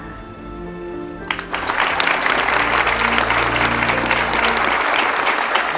ไม่ใช้ค่ะ